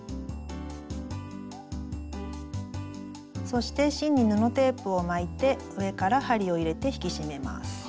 そして芯に布テープを巻いて上から針を入れて引き締めます。